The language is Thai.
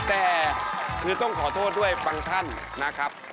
แต่คือต้องขอโทษด้วยบางท่านนะครับ